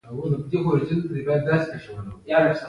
مومن خان به هندوستان څخه شالونه راوړي.